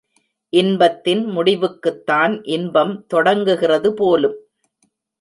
இன்பத்தின் முடிவுக்குத்தான் இன்பம் தொடங்குகிறது போலும்!